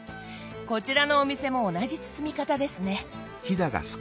こちらのお店も同じ包み方ですね。